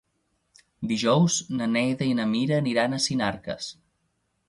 Dijous na Neida i na Mira aniran a Sinarques.